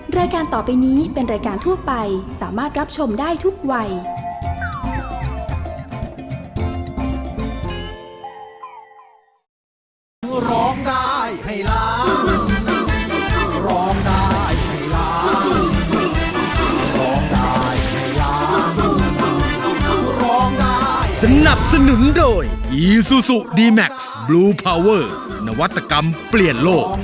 รายการต่อไปนี้เป็นรายการทั่วไปสามารถรับชมได้ทุกวัย